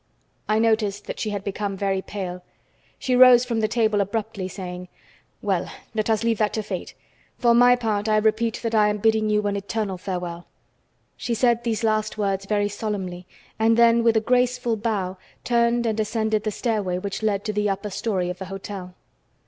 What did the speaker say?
I noticed that she had become very pale. She rose from the table abruptly, saying: "Well, let us leave that to Fate. For my part I repeat that I am bidding you an eternal farewell." She said these last words very solemnly, and then with a graceful bow, turned and ascended the stairway which led to the upper story of the hotel.